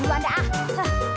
tidak tidak tidak